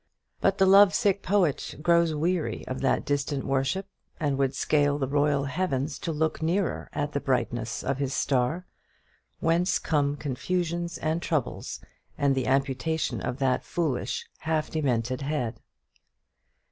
But the love sick poet grows weary of that distant worship, and would scale the royal heavens to look nearer at the brightness of his star; whence come confusions and troubles, and the amputation of that foolish half demented head.